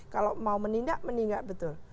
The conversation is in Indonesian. kalau mau menindak menindak betul